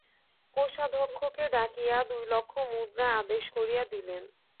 কোষাধ্যক্ষকে ডাকিয়া দুই লক্ষ মুদ্রা আদেশ করিয়া দিলেন।